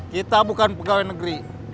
kita bukan pegawai negeri